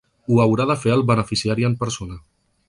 Ho haurà de fer el beneficiari en persona.